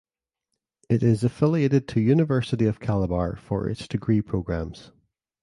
It is affiliated to University of Calabar for its degree programmes.